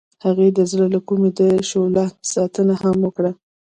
هغې د زړه له کومې د شعله ستاینه هم وکړه.